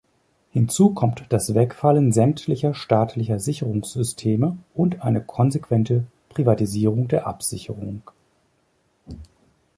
Hinzu kommt das Wegfallen sämtlicher staatlicher Sicherungssysteme und eine konsequente Privatisierung der Absicherung.